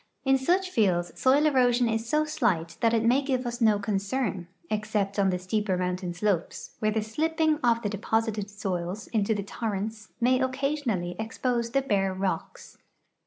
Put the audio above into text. In such fields soil erosion is so slight that it maj^ give us no concern, except on the .steeper mountain slopes, where the slii>ping of the deposited soils into the torrents may occasionally exi)ose the bare rocks.